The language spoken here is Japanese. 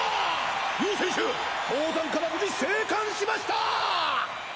葉選手氷山から無事生還しました！